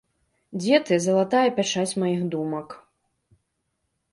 Дзе ты, залатая пячаць маіх думак?